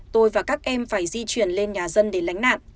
tôi và các em phải di chuyển lên nhà dân để lánh nạn